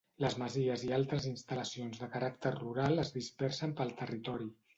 Les masies i altres instal·lacions de caràcter rural es dispersen pel territori.